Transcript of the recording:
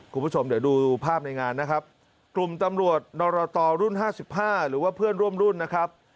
คุณผู้ชมเดี๋ยวดูภาพในงานนะครับกลุ่มตำรวจนรตรุ่นห้าสิบห้าหรือว่าเพื่อนร่วมรุ่นนะครับ